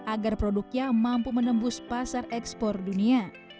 agar produknya mampu menembus pasar ekspor dunia